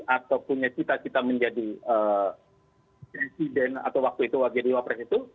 atau punya cita cita menjadi presiden atau waktu itu jadi wapres itu